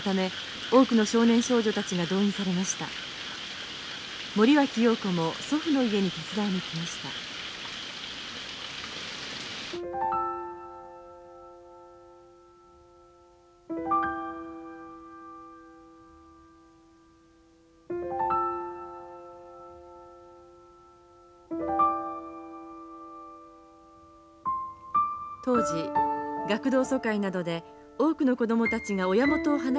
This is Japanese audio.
当時学童疎開などで多くの子供たちが親元を離れて生活していました。